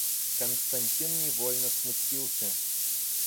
Константин невольно смутился.